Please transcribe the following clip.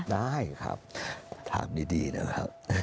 ได้ครับถามดีนะครับ